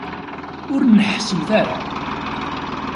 Ur neḥḥsemt ara!